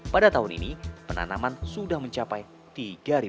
pada tahun ini penanaman sudah mencapai tiga